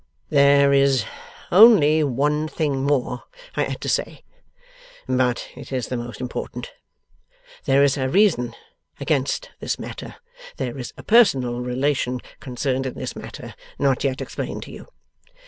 'There is only one thing more I had to say, but it is the most important. There is a reason against this matter, there is a personal relation concerned in this matter, not yet explained to you.